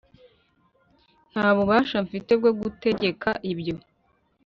Nta bubasha mfite bwo gutegeka ibyo